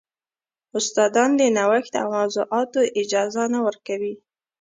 استادان د نوښت او موضوعاتو اجازه نه ورکوي.